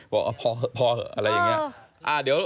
พอเถอะพอเถอะอะไรอย่างเนี่ย